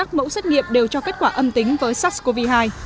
các nghiệp đều cho kết quả âm tính với sars cov hai